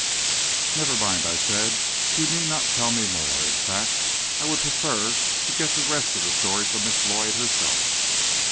"Never mind," I said, "you need not tell me more. In fact, I would prefer to get the rest of the story from Miss Lloyd, herself."